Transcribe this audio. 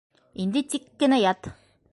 Инде тик кенә ят.